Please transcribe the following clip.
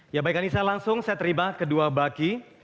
ya baik anissa langsung saya terima kedua baki